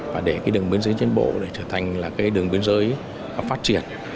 và để đường biên giới trên bộ trở thành đường biên giới phát triển